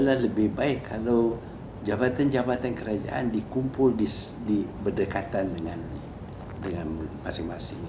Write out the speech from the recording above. adalah lebih baik kalau jabatan jabatan kerajaan dikumpul di berdekatan dengan masing masing